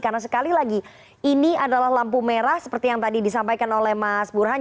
karena sekali lagi ini adalah lampu merah seperti yang tadi disampaikan oleh mas burhan